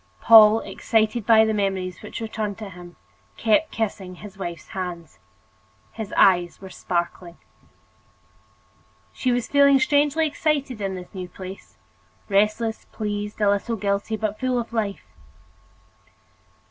Paul, excited by the memories which returned to him, kept kissing his wife's hands. His eyes were sparkling. She was feeling strangely excited in this new place, restless, pleased, a little guilty, but full of life.